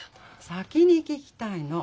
先に聞きたいの。